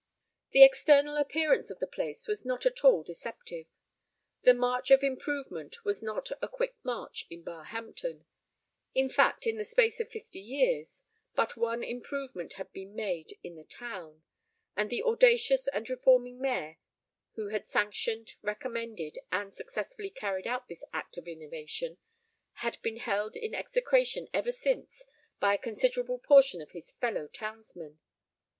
The external appearance of the place was not at all deceptive. The march of improvement was not a quick march in Barhampton. In fact, in the space of fifty years, but one improvement had been made in the town, and the audacious and reforming mayor, who had sanctioned, recommended, and successfully carried out this act of innovation, had been held in execration ever since by a considerable portion of his fellow townsmen.